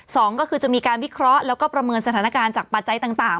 สองก็คือจะมีการวิเคราะห์แล้วก็ประเมินสถานการณ์จากปัจจัยต่าง